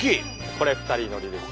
これ２人乗りです。